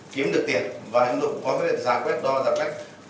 kiếm được tiền và những nội dung có thể giá quét đo giảm cách